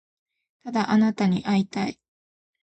ただあなたに会いたい